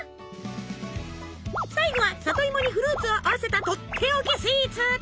最後は里芋にフルーツを合わせたとっておきスイーツ。